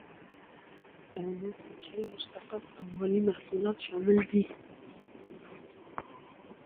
او نور پیچلي مشتقات او مالي محصولات شامل دي.